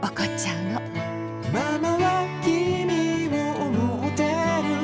「ママはきみを思ってる」